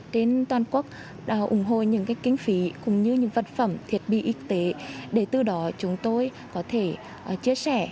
đến toàn quốc ủng hộ những kinh phí vật phẩm thiệt bị y tế để từ đó chúng tôi có thể chia sẻ